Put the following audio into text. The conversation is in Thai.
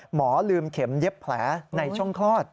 หมอลืมเข็มเย็บแผลในช่องคลอด